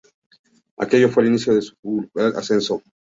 Aquello fue el inicio de su fulgurante ascenso.